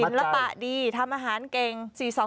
สินละปะดีทำอาหารเก่ง